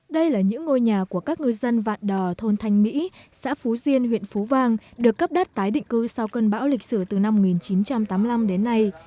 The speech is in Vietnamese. đây là những ngôi nhà của các ngư dân vạn đò thôn thanh mỹ xã phú diên huyện phú vang được cấp đất tái định cư sau cơn bão lịch sử từ năm một nghìn chín trăm tám mươi năm đến nay